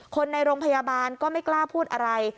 คนในโรงพยาบาลก็ไม่กล้าพูดอะไร